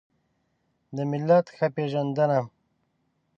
د ملت ښه پېژندنه